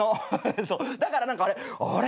そうだから何かあれあれ？